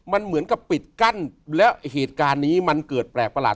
มันเหมือนกับปิดกั้นแล้วเหตุการณ์นี้มันเกิดแปลกประหลาด